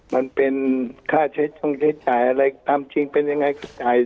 มันเป็นค่าใช้จงใช้จ่ายอะไรตามจริงเป็นยังไงก็จ่าย